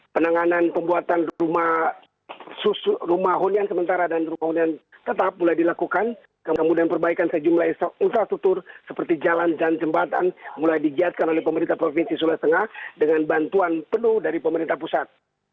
penanganan pembuatan rumah hunian sementara dan rumah hunian tetap mulai dilakukan kemudian perbaikan sejumlah infrastruktur seperti jalan dan jembatan mulai digiatkan oleh pemerintah provinsi sulawesi tengah dengan bantuan penuh dari pemerintah pusat